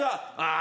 あ！